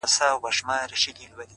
ډېر الله پر زړه باندي دي شـپـه نـه ده ـ